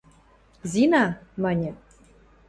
– Зина! – маньы.